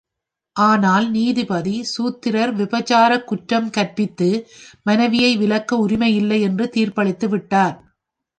ஆனால் நீதிபதி, சூத்திரர் விபச்சாரக் குற்றம் கற்பித்து மனைவியை விலக்க உரிமையில்லை என்று தீர்ப்பளித்துவிட்டார்.